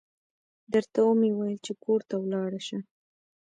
درته و مې ويل چې کور ته ولاړه شه.